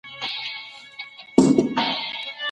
ماشومان باید د سپین ږیرو لاس په سر ښکل کړي.